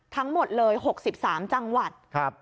ทั้งหมดเลย๖๓จังหวัด